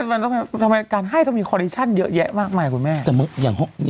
ไม่มันทำไมการให้ต้องมีความสุขเยอะแยะมากมายครับคุณแม่